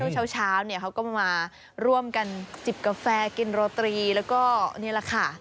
เช่าเขาก็มาร่วมกันจิบกาแฟกินโรตีแล้วก็นี่ล่ะค่ะ